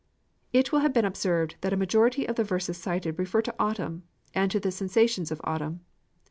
It will have been observed that a majority of the verses cited refer to autumn and to the sensations of autumn.